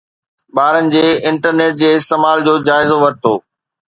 ٻارن جي انٽرنيٽ جي استعمال جو جائزو ورتو